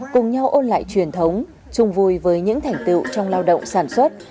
cùng nhau ôn lại truyền thống chung vui với những thành tựu trong lao động sản xuất